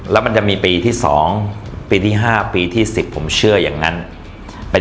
แล้วมันจะมีปีที่๒ปีที่๕ปีที่๑๐ผมเชื่ออย่างนั้น